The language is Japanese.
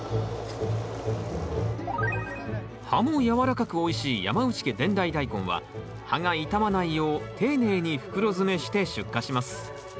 葉もやわらかくおいしい山内家伝来大根は葉が傷まないよう丁寧に袋詰めして出荷します